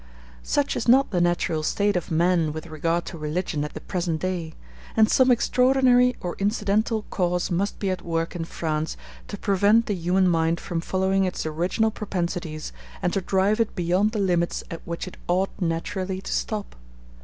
Such is not the natural state of men with regard to religion at the present day; and some extraordinary or incidental cause must be at work in France to prevent the human mind from following its original propensities and to drive it beyond the limits at which it ought naturally to stop.